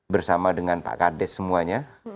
bersama dengan pak kades semuanya